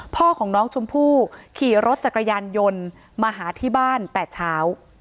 พ่อของน้องชมพู่ขี่รถจักรยานยนต์มาหาที่บ้านแต่เช้า